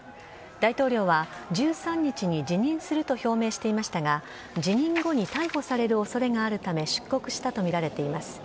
大統領は１３日に辞任すると表明していましたが辞任後に逮捕される恐れがあるため出国したとみられています。